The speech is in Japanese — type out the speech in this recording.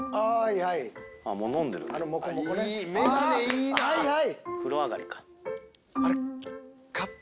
はいはい。